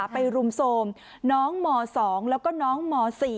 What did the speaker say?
รุมโทรมน้องม๒แล้วก็น้องม๔